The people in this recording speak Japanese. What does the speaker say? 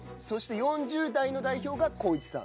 そして４０代の代表が。